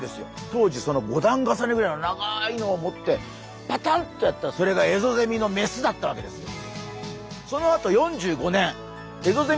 当時その５段重ねぐらいの長いのを持ってパタンとやったらそれがエゾゼミのメスだったわけですよ。